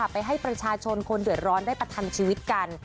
ไปให้ประชาชนคนเดือดร้อนได้ประทังชีวิตกัน